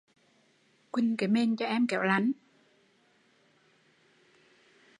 Chuỳnh cái mền cho em kẻo lạnh